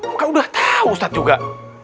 maka udah tahu ustadz juga